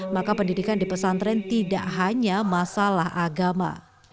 maka pendidikan di pesantren tidak hanya masalah agama